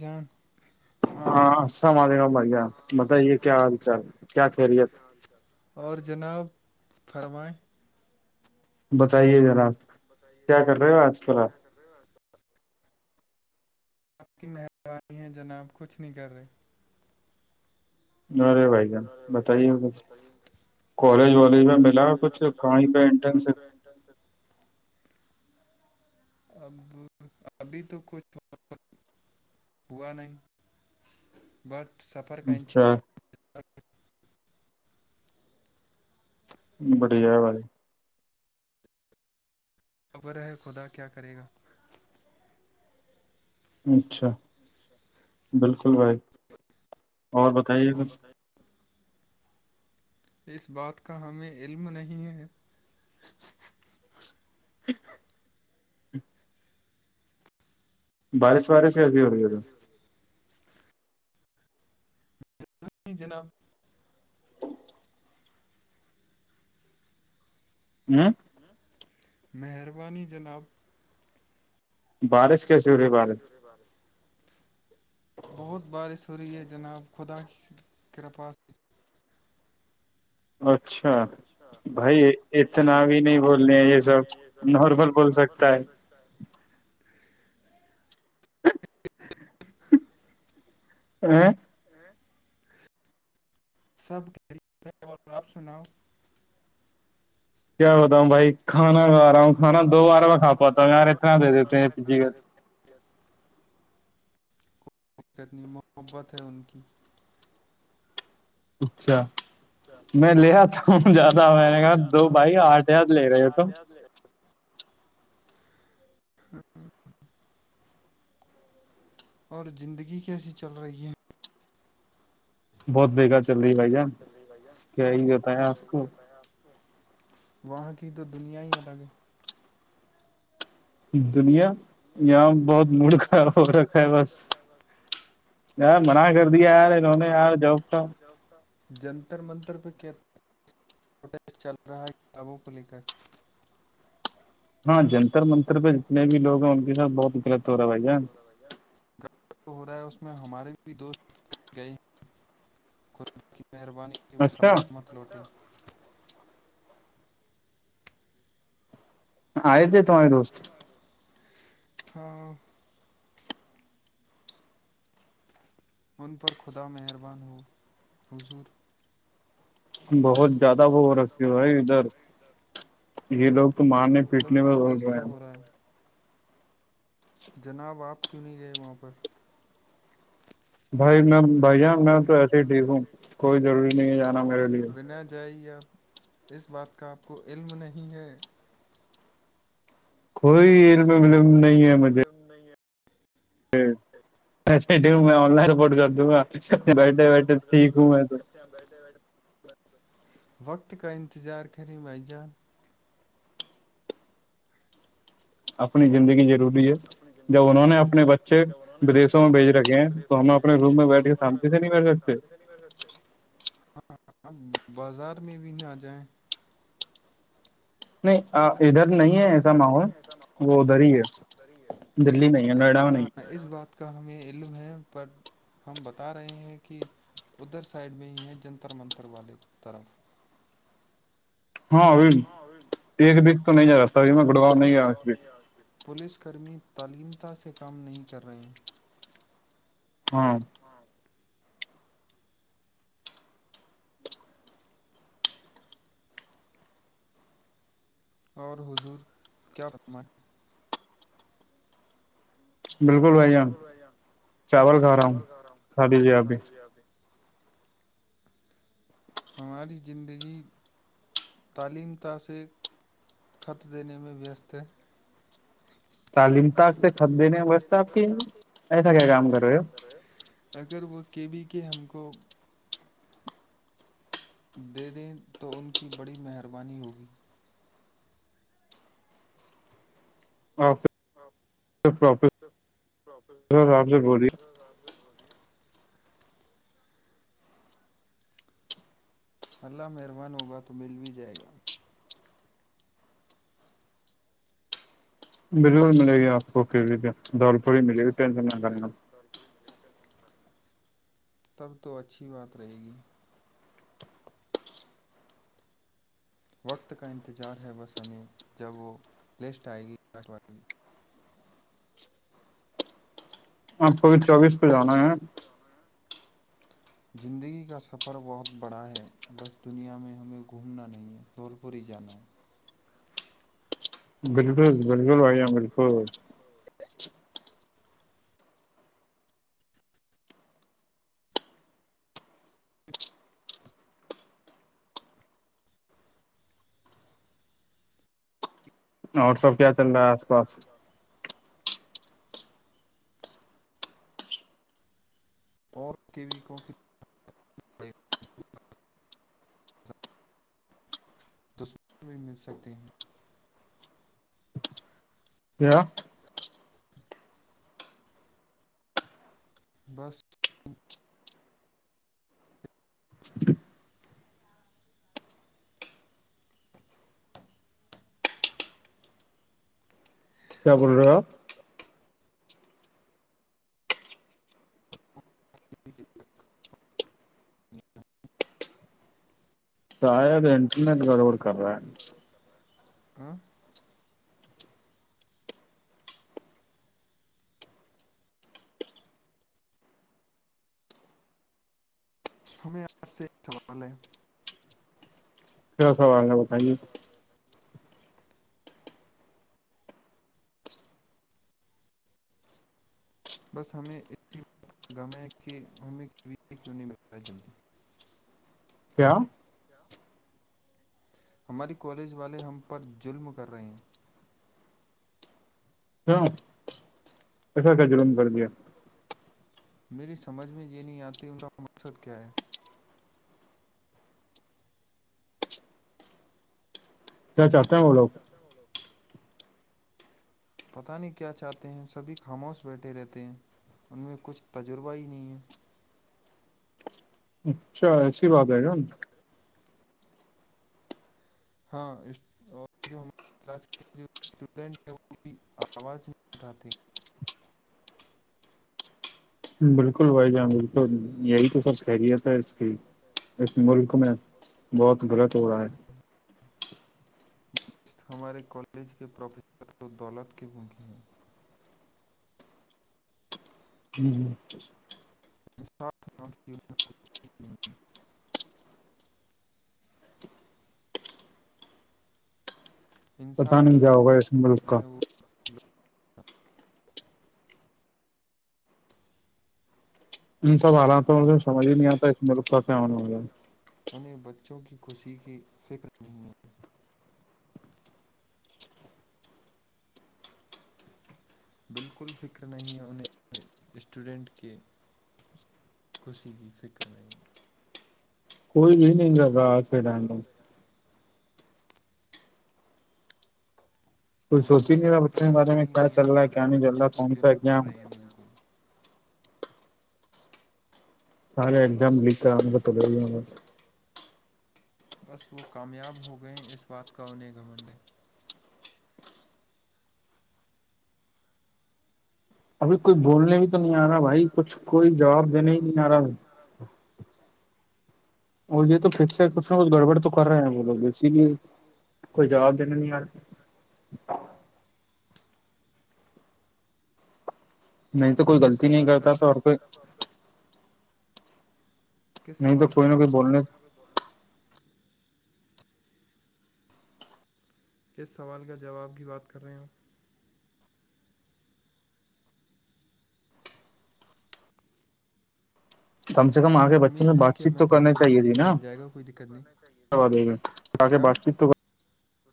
جان ہاں السلام علیکم بھیا بتائیے کیا حال چال کیا خیریت ہاں جی ہاں اور جناب فرمائیں بتائیے ذرا کیا کر رہے ہو آج کل آپ چلے آ آپ کی مہربانی ہے جناب کچھ نہیں کر رہے آپ ارے بھائی جان برے بھائی ج بتائیے کچھ بتائیے کالج والج میں کالج ملا والالج میں کچھ ملا کہیں کچھ پہ انٹرنس کہیں پہ انٹرن شپ اب ابھی تو کچھ ہوا نہیں برت سفرک کی اچھا بڑھیا بی خبر ہے خدا کیا کرے گا اچھا بالکل بھائی اور بتائیے کچھ اس بات کا ہمیں علم نہیں ہے [unintelligible] بارش وارش ہیسیھی ہو رہی ہے تو جناب [unintelligible] ہوں مہربانی جناب بارش کیسی ہو رہی ہے بارش بار بہت بارش ہو رہی ہے جناب خدا کر پا اچھا بھائی اتنا بھی نہیں بولنے ہیں یہ سب نارمل نارمل بول سکتا ہے ا ہ سب کے آپ سناؤ کیا بتاؤوں بھائی کھان کھا رہا ہوں کھا دو بار میں کھ پاتا ہوں یار اتنا دے دیتے ہیں پ کتنی محبت ہے ان کی اچھا میں لےیا تھا ہ زیادہ میں نے کہا دو بھائی آٹھ ہزار لے رہے ہو تو اور زندگی کیسی چل رہی ہے بہت بےیکار چل رہ دقت چل رہی ہے بھیا آپ کیای کو ہوتیں آپ کو وہاں کی تو دنیا ہی الگ ہے دنیا یہاں بہت ملک مڑ خراب ہو رتا ہے یار منع کر دیا یار انہوں نے یار جاب کا جستہ جنتر منتر پہ کیاوسٹ چل رہا ہے کتابوں کو لے کر ہاں جنتر منتر پہ جتنے بھی لوگ ہیں ان کے ساتھ بہت گغلط ہو رہا ہے بھیا ہو رہا ہے اس میں ہمارے بھی دوست گئے خود کی مہربانی کی وہ اچھا سلامت لوٹے آئدےتم دو استے ہ ہاں ان پر خدا مہربان ہو حضور بہت وہ بہت ہو زیادہ رکھے وہ رکھتے ادھر بھائی یہ لوگ تو مارنے ادھر پیٹنے ادب میں بول پروٹیسٹ رہے تو ہو ہیں رہا ہے جناب آپ کیوں نہیں گئے وہاں پر بھائی میں تو بھیا ایسے ہی میں تو ٹھیک ہوں ایسے ہی ٹھیک ہوں کوئی ضروری نہیں ہے کوئیی جانا میرے لیے نہیں بنا جائے گے آپ اس بات کا آپ کو علم نہیں ہے کوئی علم ولم نہیں ہے مجھے نہیں ہے میں آن لائن رپورٹ کر دوں گا بیٹھے بیٹھے ٹھیک ہوں میں تو وقت کا انتظار کریں وائی جان اپنی زندگ ضروری ہے اپنی زندگی جب انہوں نے ضروری ہے اپنے بچے جب انہوں نے اپنے بدیسوں میں بچے بھیج رکھے ہیں تو بریسوں میں ہم بھیج اپنے رکھے روم ہیں میں بیٹھ تو کے ہم نے اپنے شانتی سے روم میں نہیں بیٹھ کے سکتے سامنے تے ہاں بازار میں بھی نہ آ جائیں نہیں ادھر نہیں ہے ایسا ماحول وہ ادھر ہی ہے دری ہے دللی نہیں نوئیڈا میں نہیں کا ہمیں علم ہے پر ہم بتا رہے ہیں کہ ادھر سائڈ میں ہی ہیں جنتر منتر والے طرف ہاں ابھی ہاں ا ایک بییک تو نہیں ج رہا تھا ابھی میں گڑگاؤ نہیں آیاوں اس بی پولیس کرمی تعلیمتا سے کام نہیں کر رہے ہیں ہاں ہاں جک اور حضور کیا فرما بالکل بھ جان چاول کھا رہا ہوں کھا دیجیے آپھی جب ہماری زندگی تعلیم تثک خط دینے میں وست ہے تعلیم تق سے چھپ دینے واسہ آپ کی ایسا کیا کام کر رہے ہو اگر وہ کے بھی کے ہم کو دے دیں تو ان کی بڑی مہربانی ہوگی اک آپ سب آپ سے بولیے پراپٹ ہزارپ بلیے اللہ مہربان ہوگا تو مل بھی جائے گا بالکل ملے گی آپ کو دال پوری ملے گی ٹینشن نہ کریں گ تب تو اچھی بات رہے گی وقت کا انتظار ہے بس ہمیں جب وہ لسٹ آئے گی آکاش وانی آپ چوبیس چوبیس کو جانا ہے [inaudible] زندگی کا سفر بہت بڑا ہے بس دنیا میں ہمیں گھومنا نہیں ہے دول پوری جان بالکل بالکل بھ [unintelligible] اور سب کیا چل رہا ہے نا آس پاس اور کے بھی کوک تصون بھی مل سکتے ہیں [unintelligible] بس کیا بول رہے ہو اپ [unintelligible] شاید انٹرنیٹ گڑبڑ کر رہا ہے [unintelligible] [inaudible] ہمیں آپ سے ایک سوال ہے کیاا سوال ہے بتائیے بس ہمیں اسسی باتنگاما ہے کہ ہمیں کیوں نہیں مل رہا ہے جلدی [inaudible] کیا ہماری کالج والے ہم پر ظلم کر رہے ہیں کیوں ایسا کیا ظلم کر دیا [inaudible] میری سمجھ میں یہ نہیں آتی ان کا مقصد کیا ہے کیا چاہتا ہیں وہ لگ [unintelligible] پتہ نہیں کیا چاہتے ہیں سبھی خاموش بیٹھے رہتے ہیں ان میں کچھ تجربہ ہی نہیں ہے اچھا ایسی بات ہے کیا ہاں اس اور جو ہم کلاس کے جو اسٹوڈنٹ ہیں وہ بھی آواز نہیں اٹھاتے بالکل بھائی جان بالکل یہی تو سب خیریت ہے اس کی اس اٹھاتے ملک میں بہت غلط ہو رہا ہے [unintelligible] ہمارے کالج کے پروفیسر و دولت کے بھوکے ہیں [unintelligible] [unintelligible] ہے۔ پتا انصاف نہیں کیا کرتے ہوگا اس ملک کا ہیں وہ ان سب حالاتو کا سجھ ہی نہیں آتا ہے اس ملک کا کیا ہوگا انہیں بچوں کی خوشی کی فکر نہیں بالکل فکر نہیں ہے انہیں اسٹوڈنٹ کے خوشی کی فکر نہیں کوئی بھی نہیں کر رہا اج کے ٹائم میں [inaudible] کوئی وہ سوچ ہی نہیں رہا انصاف کا بچوں کے بارے راستہ میں ہی کیا نہیں چل رہا اپنا ہے رہے کیا نہیں چل رہا بچوں کو کون سا ظلم کر ایگزام رہے ہیں بالکل سارے ایگزام لیک آے تو بس وہ کامیاب ہو گئیں اس بات کا انہیں گھمنڈیں ابھی کوئی بولنے بھی تو نہیں آ رہا بھائی کچھ کوئی جواب دینے ہی نہیں آ رہا بھائی اور یہ تو کھیچ ک گڑبڑ تو کر رہے ہیں وہ لوگ اسی بھی کوئی جواب دینے نہیں آ رہے نہیں تو کوئی کس غلطی نہیں سوال کا کرتا تو اور کوئی کرتا کس نہیں تو سوال کا کوئی نہ کوئی جواب بولنے کس سوال کا جواب کی بات کر رہے ہو کم سے کم ہمیں آگے بچوں امید میں ہے بات کہ چیت ہمیں تو کرنی دولپور کے چاہیے بی تھی کے نا مل جائے گا کوئی دقت نہیں آگے کیا بات چیت تو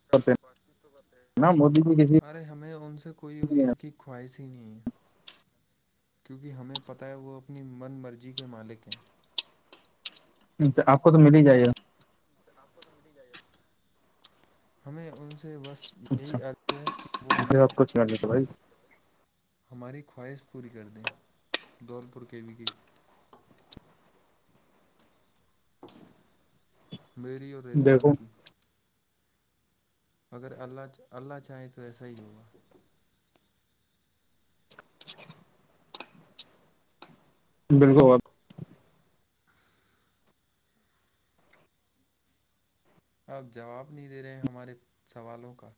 کرتے اگے بات نا مودی جی ارے ہمیں ان سے کوئی کسی امید کی خواہش ہی نہیں ہے کیونکہ ہمیں پتہ ہے وہ اپنی من مرضی کے مالک ہیں تو آپ کو تو مل ہی جائے گا آپ کو تو مل ہی جائے گا ہمیں ان سے بس اچھا یہی عرض ہے کہ وہ پھر ہمیں آپ کچھ کر لیتے بھائی ہماری خواہش پوری کر دیں دول پور کے وی کے کی میری اور رضوان دیکھو کی اگر اللہ اللہ چاہیں تو ایسا ہی ہوگا [unintelligible] بالکل آپ جواب نہیں دے رہے ہیں ہمارے سوالوں کا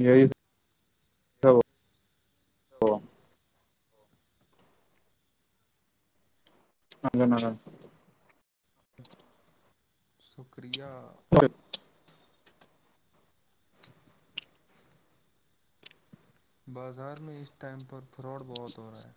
یہی تو الگ نگ شکریہ سب بازار میں اس ٹائم پر فراڈ بہت ہو رہا ہے